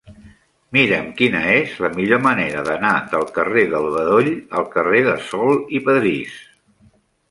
Mira'm quina és la millor manera d'anar del carrer del Bedoll al carrer de Sol i Padrís.